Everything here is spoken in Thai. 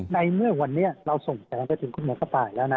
ในเมื่อวันนี้เราส่งแสงไปถึงคุณหมอกระต่ายแล้วนะ